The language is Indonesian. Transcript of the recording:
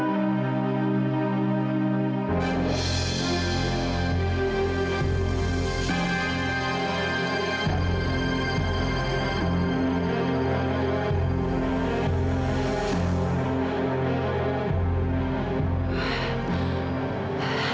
tepuk tangan ayah